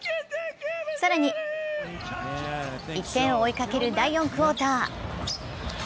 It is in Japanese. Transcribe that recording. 更に１点を追いかける第４クオーター。